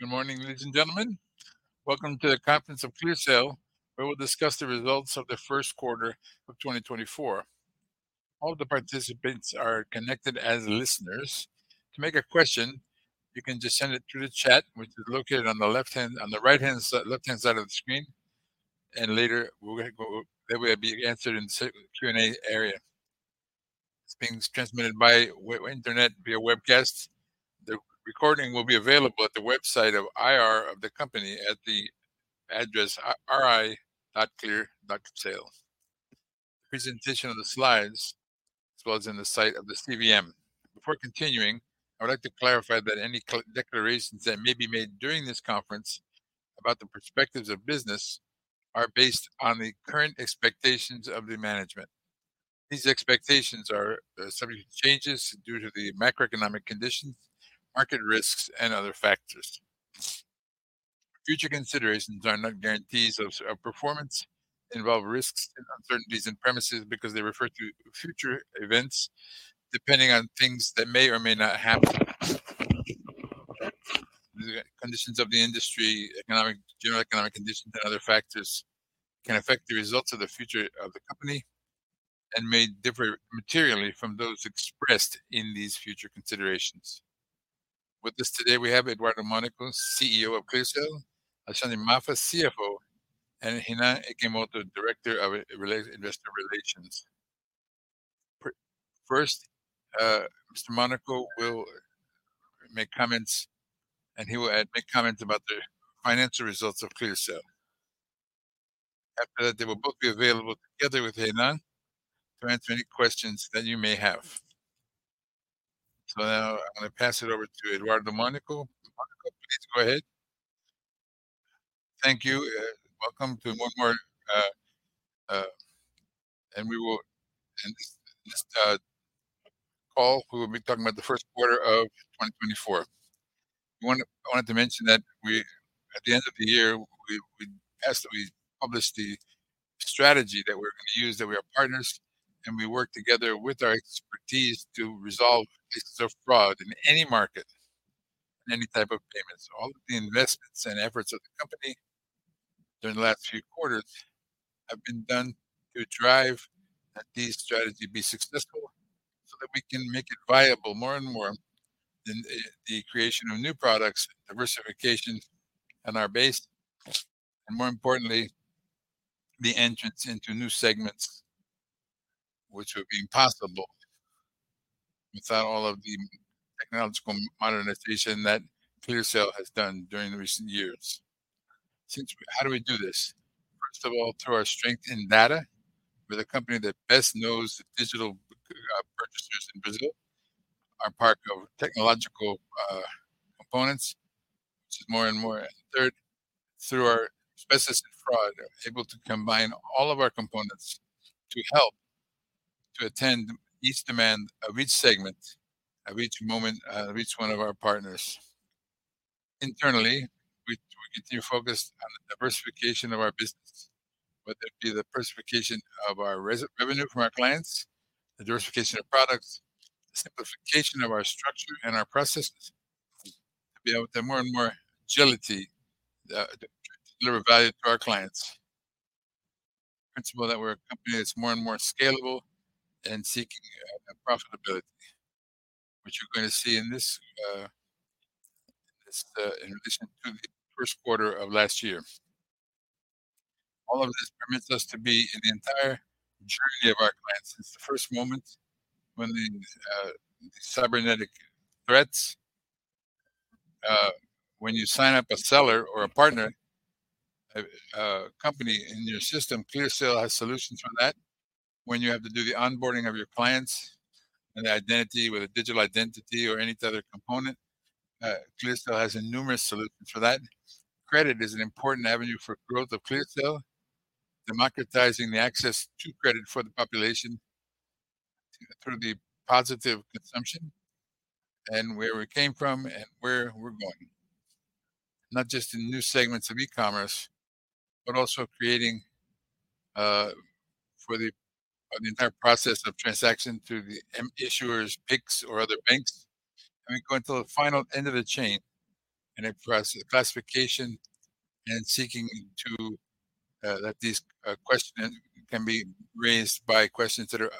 Good morning, ladies and gentlemen. Welcome to the conference of ClearSale, where we'll discuss the results of the first quarter of 2024. All of the participants are connected as listeners. To make a question, you can just send it through the chat, which is located on the right-hand side of the screen. And later we'll go that way will be answered in the Q&A area. It's being transmitted by internet via webcast. The recording will be available at the website of IR of the company at the address ri.clearsale. Presentation of the slides as well as in the site of the CVM. Before continuing, I would like to clarify that any declarations that may be made during this conference about the perspectives of business are based on the current expectations of the management. These expectations are subject to changes due to the macroeconomic conditions, market risks and other factors. Future considerations are not guarantees of performance. Involve risks and uncertainties in premises because they refer to future events. Depending on things that may or may not happen. Conditions of the industry, economic, general economic conditions, and other factors. Can affect the results of the future of the company. And may differ materially from those expressed in these future considerations. With this, today we have Eduardo Mônaco, CEO of ClearSale, Alexandre Mafra, CFO, and Renan Ikemoto, Director of Investor Relations. First, Mr. Mônaco will make comments. And he will add comments about the financial results of ClearSale. After that, they will both be available together with Renan. To answer any questions that you may have. So now I'm going to pass it over to Eduardo Mônaco. Mônaco, please go ahead. Thank you. Welcome to one more. We will. In this call, we will be talking about the first quarter of 2024. I wanted to mention that we, at the end of the year, we published the strategy that we're going to use, that we are partners and we work together with our expertise to resolve cases of fraud in any market and any type of payments. All of the investments and efforts of the company during the last few quarters have been done to drive that this strategy be successful. So that we can make it viable more and more than the creation of new products, diversification and our base, and more importantly, the entrance into new segments, which would be impossible without all of the technological modernization that ClearSale has done during the recent years. Since how do we do this? First of all, through our strength in data. We're the company that best knows the digital purchasers in Brazil. Our portfolio of technological components, which is more and more, and third, through our specialists in fraud, able to combine all of our components to help to attend each demand of each segment at each moment, each one of our partners. Internally, we continue focused on the diversification of our business, whether it be the diversification of our revenue from our clients, the diversification of products, the simplification of our structure and our processes to be able to more and more agility, deliver value to our clients. Principle that we're a company that's more and more scalable and seeking profitability, which you're going to see in this in addition to the first quarter of last year. All of this permits us to be in the entire journey of our clients since the first moment when the cyber threats. When you sign up a seller or a partner company in your system, ClearSale has solutions for that. When you have to do the onboarding of your clients and the identity with a digital identity or any other component, ClearSale has numerous solutions for that. Credit is an important avenue for growth of ClearSale, democratizing the access to credit for the population through the positive consumption. And where we came from and where we're going, not just in new segments of e-commerce but also creating for the entire process of transaction to the issuers, Pix, or other banks. And we go until the final end of the chain and a classification and seeking to let these questions can be raised by questions that are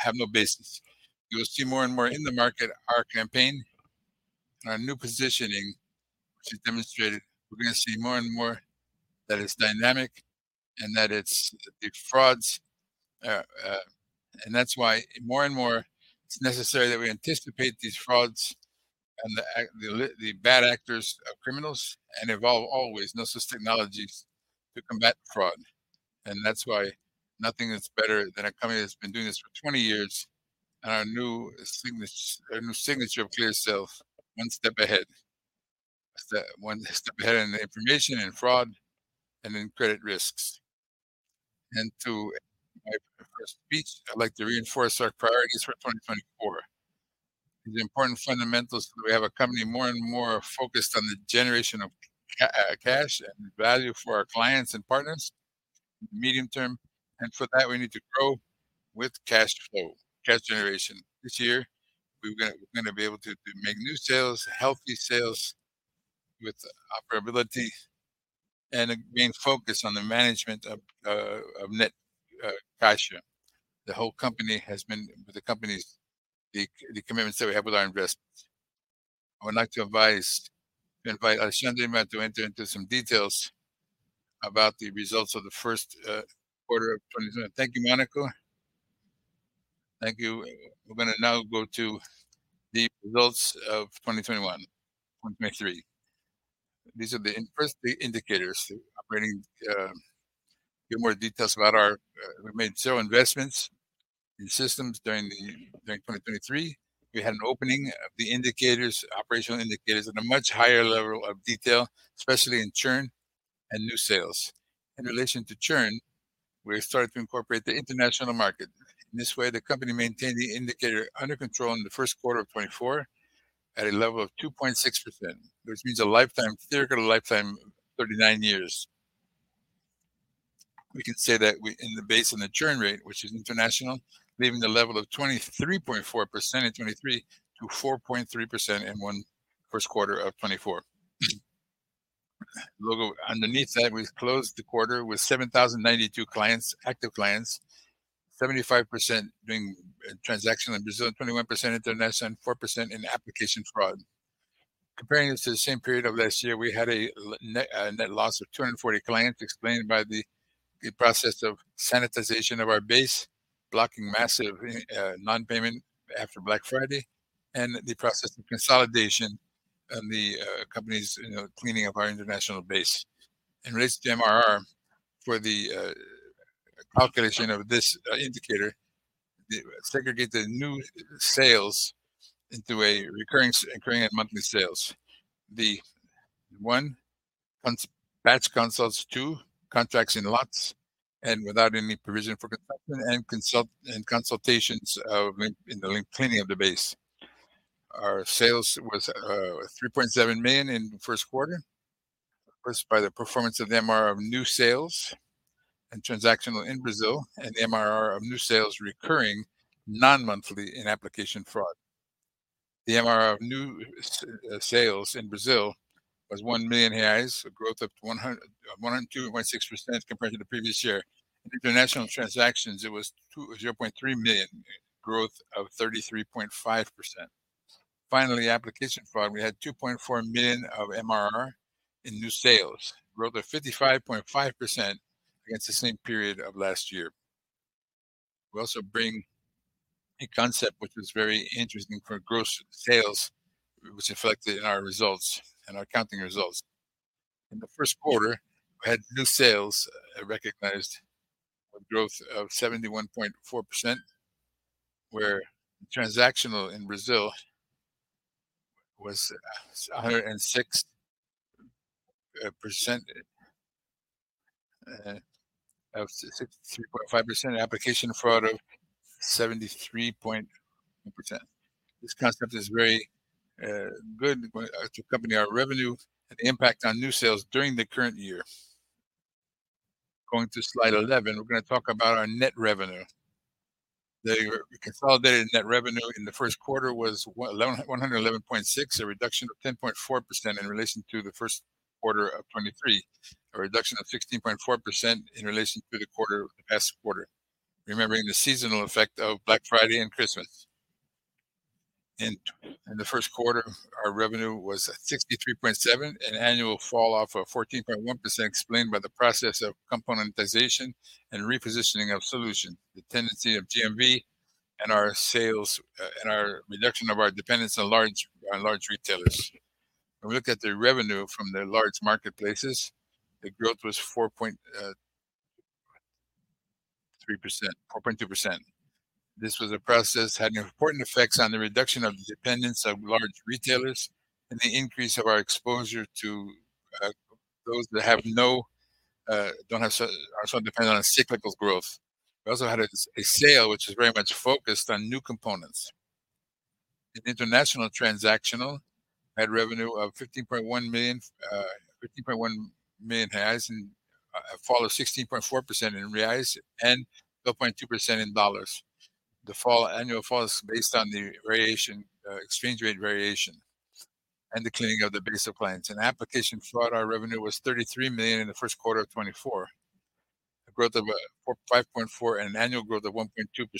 have no basis. You will see more and more in the market our campaign and our new positioning, which is demonstrated. We're going to see more and more that it's dynamic and that it's the frauds. That's why more and more it's necessary that we anticipate these frauds and the bad actors of criminals and evolve always no such technologies to combat fraud. That's why nothing is better than a company that's been doing this for 20 years and our new signature of ClearSale. One step ahead. One step ahead in the information and fraud and then credit risks and to. My first speech, I'd like to reinforce our priorities for 2024. It's important fundamentals that we have a company more and more focused on the generation of cash and value for our clients and partners in the medium term. For that, we need to grow with cash flow, cash generation. This year we're going to be able to make new sales, healthy sales with profitability. Being focused on the management of net cash. The whole company has been with the company's. The commitments that we have with our investments. I would like to advise to invite Alexandre to enter into some details about the results of the first quarter of 2021. Thank you, Mônaco. Thank you. We're going to now go to the results of 2021. 2023. These are the first operating indicators. Give more details about our we made several investments in systems during the during 2023. We had an opening of the indicators, operational indicators, at a much higher level of detail, especially in churn and new sales. In relation to churn, we started to incorporate the international market. In this way, the company maintained the indicator under control in the first quarter of 2024 at a level of 2.6%, which means a lifetime, theoretical lifetime, 39 years. We can say that we in the base and the churn rate, which is international, leaving the level of 23.4% in 2023 to 4.3% in first quarter of 2024. Underneath that, we closed the quarter with 7,092 active clients. 75% doing transaction in Brazil, 21% international, and 4% in application fraud. Comparing this to the same period of last year, we had a net loss of 240 clients explained by the process of sanitization of our base, blocking massive nonpayment after Black Friday. And the process of consolidation. And the company's cleaning of our international base. And raised the MRR. For the calculation of this indicator, segregate the new sales into a recurring occurring at monthly sales. The one batch consults, 2 contracts in lots. And without any provision for consumption and consultations in the link cleaning of the base. Our sales was 3.7 million in the first quarter. Of course, by the performance of the MRR of new sales and transactional in Brazil and the MRR of new sales recurring non-monthly in application fraud. The MRR of new sales in Brazil was 1 million reais, a growth of 102.6% compared to the previous year. In international transactions, it was 0.3 million, growth of 33.5%. Finally, application fraud, we had 2.4 million of MRR in new sales, growth of 55.5% against the same period of last year. We also bring a concept which was very interesting for gross sales, which affected our results and our accounting results. In the first quarter, we had new sales recognized with growth of 71.4%, where transactional in Brazil was 106% of 63.5%, application fraud of 73.1%. This concept is very good to accompany our revenue and impact on new sales during the current year. Going to slide 11, we're going to talk about our net revenue. The consolidated net revenue in the first quarter was 111.6, a reduction of 10.4% in relation to the first quarter of 2023. A reduction of 16.4% in relation to the quarter of the past quarter. Remembering the seasonal effect of Black Friday and Christmas. In the first quarter, our revenue was 63.7, an annual fall off of 14.1% explained by the process of componentization and repositioning of solutions, the tendency of GMV. And our sales and our reduction of our dependence on large retailers. When we look at the revenue from the large marketplaces. The growth was 4.3%, 4.2%. This was a process that had important effects on the reduction of the dependence of large retailers. And the increase of our exposure to those that have no don't have are so dependent on cyclical growth. We also had a sale which is very much focused on new components. An international transactional had revenue of 15.1 million, 15.1 million reais and a fall of 16.4% in reais and 0.2% in dollars. The fall annual fall is based on the variation, exchange rate variation. The cleaning of the base of clients and application fraud. Our revenue was 33 million in the first quarter of 2024. A growth of 5.4% and an annual growth of 1.2%.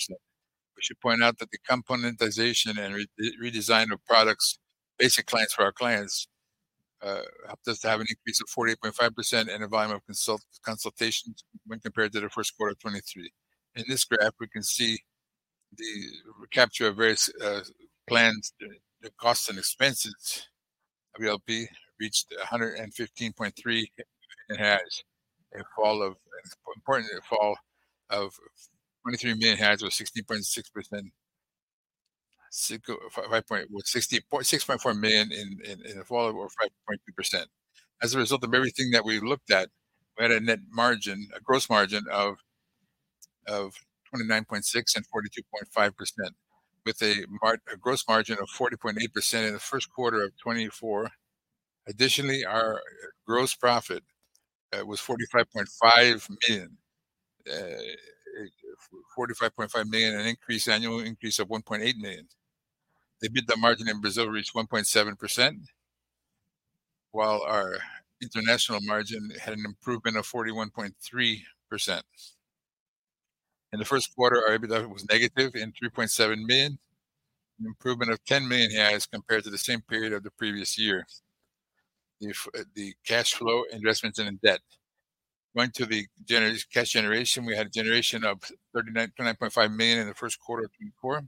We should point out that the componentization and redesign of products. Basic clients for our clients helped us to have an increase of 48.5% in the volume of consultations when compared to the first quarter of 2023. In this graph, we can see the capture of various plans, the cost and expenses of the period reached 115.3 million reais. A fall of important fall of 23 million reais was 16.6%. 6.4 million, a fall of 5.2%. As a result of everything that we looked at. We had a net margin, a gross margin of 29.6% and 42.5%. With a gross margin of 40.8% in the first quarter of 2024. Additionally, our gross profit was 45.5 million, 45.5 million, an annual increase of 1.8 million. The EBITDA margin in Brazil reached 1.7%. While our international margin had an improvement of 41.3%. In the first quarter, our EBITDA was negative 3.7 million. An improvement of 10 million compared to the same period of the previous year. The cash flow, investments, and in debt. Going to the cash generation, we had a generation of 29.5 million in the first quarter of 2024.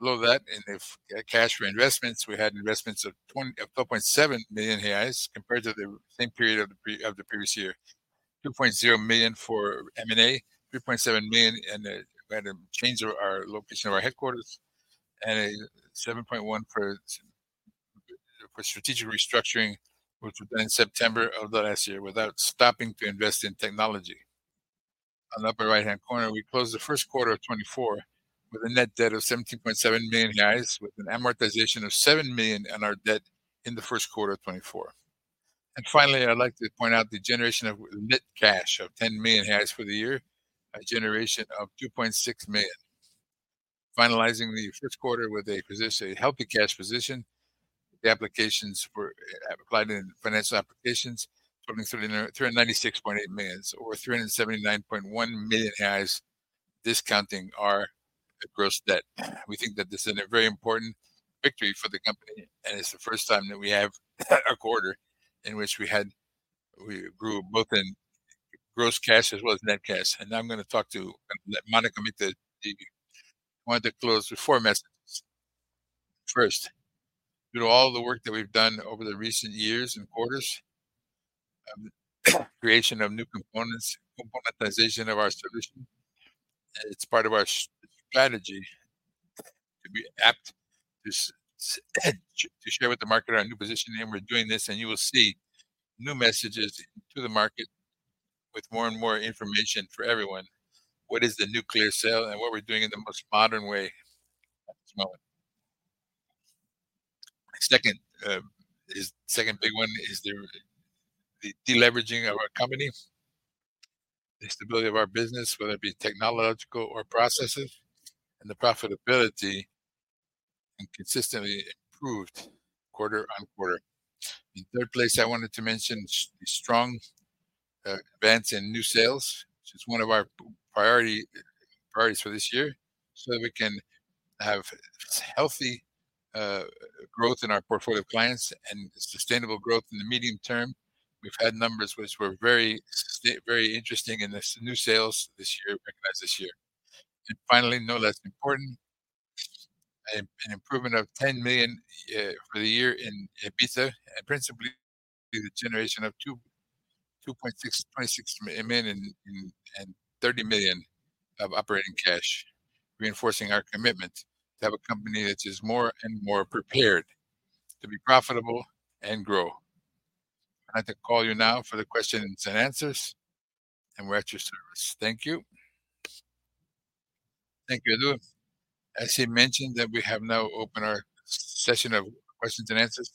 Below that, and if cash for investments, we had investments of 12.7 million reais compared to the same period of the previous year. 2.0 million for M&A, 3.7 million, and we had to change our location of our headquarters. A 7.1 million for strategic restructuring, which was done in September of the last year without stopping to invest in technology. On the upper right-hand corner, we closed the first quarter of 2024 with a net debt of 17.7 million reais with an amortization of 7 million on our debt in the first quarter of 2024. And finally, I'd like to point out the generation of net cash of 10 million for the year. A generation of 2.6 million. Finalizing the first quarter with a healthy cash position. The applications were applied in financial applications, totaling 396.8 million or 379.1 million reais. Discounting our gross debt. We think that this is a very important victory for the company and it's the 1st time that we have a quarter in which we had. We grew both in gross cash as well as net cash and now I'm going to talk to Mônaco make the. I wanted to close with four messages. First. All the work that we've done over the recent years and quarters. Creation of new components, componentization of our solution. It's part of our strategy to be apt to share with the market our new position and we're doing this and you will see. New messages to the market. With more and more information for everyone. What is the new ClearSale and what we're doing in the most modern way. Second is the second big one is the. The deleveraging of our company. The stability of our business, whether it be technological or processes. And the profitability. And consistently improved quarter-on-quarter. In third place, I wanted to mention the strong. Advance in new sales, which is one of our priorities for this year, so that we can have healthy growth in our portfolio of clients and sustainable growth in the medium term. We've had numbers which were very, very interesting in this new sales this year, recognize this year. And finally, no less important, an improvement of 10 million for the year in EBITDA and principally the generation of 26 million and 30 million of operating cash, reinforcing our commitment to have a company that is more and more prepared to be profitable and grow. I'd like to call you now for the questions and answers. We're at your service. Thank you. Thank you. As he mentioned, we have now opened our session of questions and answers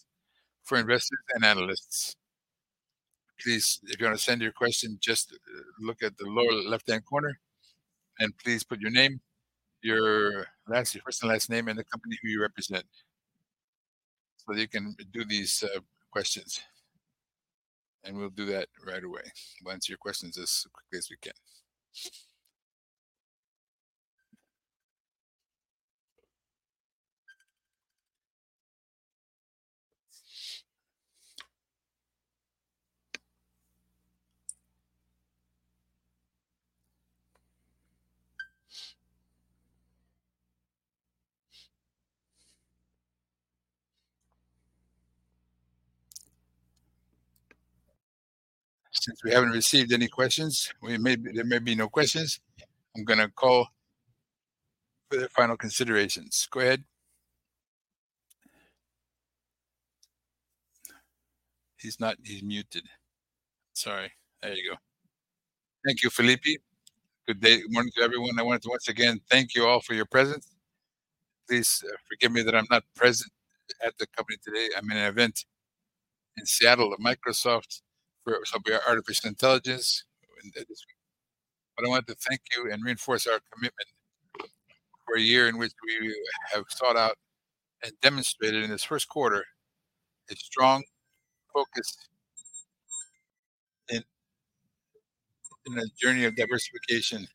for investors and analysts. Please, if you want to send your question, just look at the lower left-hand corner. Please put your name, your last, your first and last name and the company who you represent, so that you can do these questions. We'll do that right away. We'll answer your questions as quickly as we can. Since we haven't received any questions, there may be no questions. I'm going to call for the final considerations. Go ahead. He's not, he's muted. Sorry. There you go. Thank you, Felipe. Good morning to everyone. I wanted to once again thank you all for your presence. Please forgive me that I'm not present at the company today. I'm in an event in Seattle of Microsoft for artificial intelligence. But I wanted to thank you and reinforce our commitment for a year in which we have sought out and demonstrated in this first quarter a strong focus in a journey of diversification,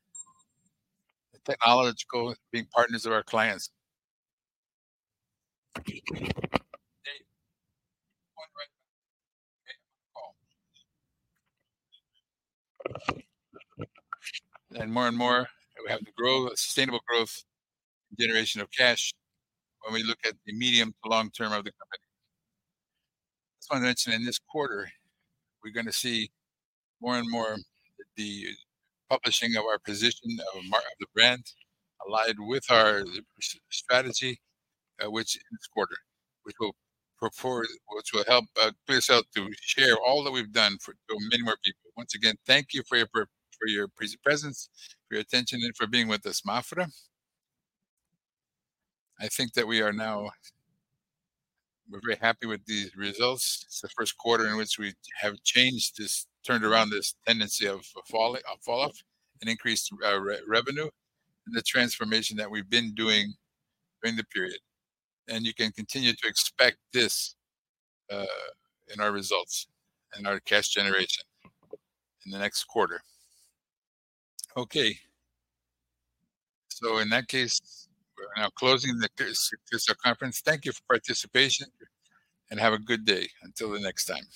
technological being partners of our clients. More and more we have to grow sustainable growth. Generation of cash. When we look at the medium- to long-term of the company. I just wanted to mention in this quarter. We're going to see more and more the publishing of our position of the brand, allied with our strategy, which in this quarter will help ClearSale to share all that we've done for many more people. Once again, thank you for your presence, for your attention and for being with us. I think that we are now. We're very happy with these results. It's the first quarter in which we have changed this, turned around this tendency of fall off, and increased revenue. And the transformation that we've been doing during the period. And you can continue to expect this in our results and our cash generation in the next quarter. Okay. So in that case. We're now closing the conference. Thank you for participation. Have a good day until the next time.